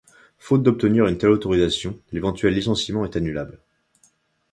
Faute d'obtenir une telle autorisation, l'éventuel licenciement est annulable.